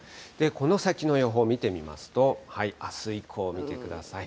この先の予報見てみますと、あす以降見てください。